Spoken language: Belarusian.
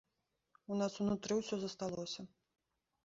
У нас унутры ўсё засталося.